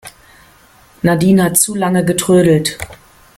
Nadine hat zu lange getrödelt.